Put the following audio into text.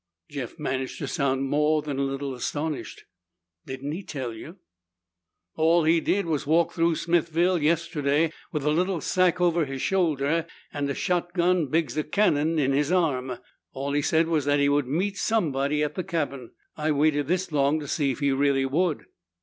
Jeff managed to sound more than a little astonished. "Didn't he tell you?" "All he did was walk through Smithville yesterday with a little sack over his shoulder and a shotgun big's a cannon in his arm. All he said was that he would meet somebody at the cabin. I waited this long to see if he really would."